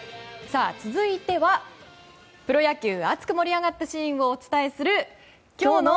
続いてはプロ野球熱く盛り上がったシーンをお伝えする今日の。